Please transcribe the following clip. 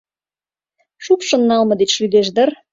Шупшын налме деч лӱдеш дыр.